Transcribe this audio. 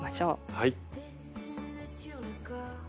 はい。